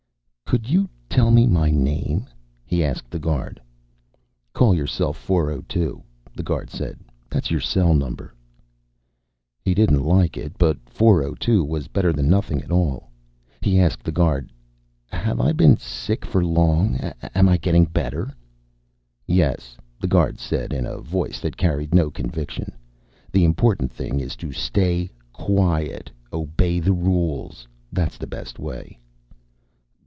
"Could you tell me my name?" he asked the guard. "Call yourself 402," the guard said. "That's your cell number." He didn't like it. But 402 was better than nothing at all. He asked the guard, "Have I been sick for long? Am I getting better?" "Yes," the guard said, in a voice that carried no conviction. "The important thing is, stay quiet. Obey the rules. That's the best way."